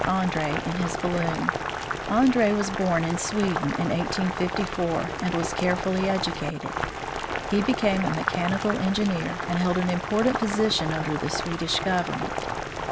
Andree in his balloon. Andree was born in Sweden in 1854, and was carefully educated. He became a mechanical engineer, and held an important position under the Swedish government.